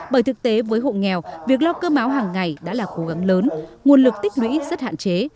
bởi thực tế với hộ nghèo việc lo cơ máu hàng ngày đã là cố gắng lớn nguồn lực tích lũy rất hạn chế